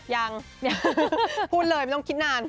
ยังยังพูดเลยไม่ต้องคิดนาน